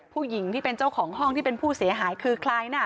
ผู้หญิงที่เป็นเจ้าของห้องที่เป็นผู้เสียหายคือใครน่ะ